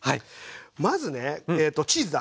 まずねチーズだ。